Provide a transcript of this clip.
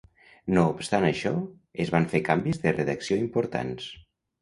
No obstant això, es van fer canvis de redacció importants.